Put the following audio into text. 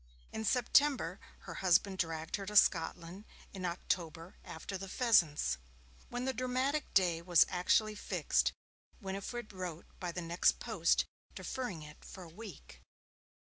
In September her husband dragged her to Scotland, in October after the pheasants. When the dramatic day was actually fixed, Winifred wrote by the next post deferring it for a week.